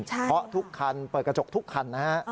เพราะทุกคันเปิดกระจกทุกคันนะฮะ